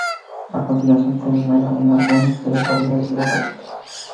A continuación se enumera algunas de las variedades de la galleta.